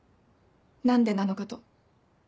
何でなのかと。